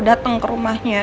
dia mau datang ke rumahnya